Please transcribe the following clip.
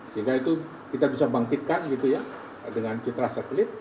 sehingga itu kita bisa bangkitkan dengan kitra satelit